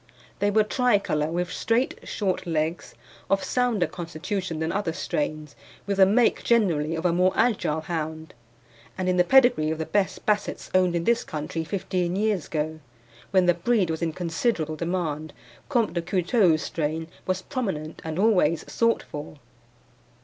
They were tricolour, with straight, short legs, of sounder constitution than other strains, with the make generally of a more agile hound, and in the pedigree of the best Bassets owned in this country fifteen years ago, when the breed was in considerable demand, Comte de Couteulx's strain was prominent and always sought for.